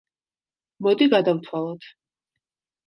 მოდი გადავთვალოთ.